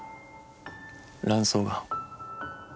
卵巣がん。